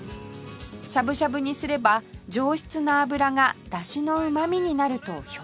しゃぶしゃぶにすれば上質な脂がだしのうまみになると評判